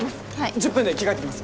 １０分で着替えてきます。